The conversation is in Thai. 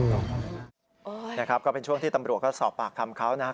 นะครับก็เป็นช่วงที่ตำรวจก็สอบปากคำเขานะครับ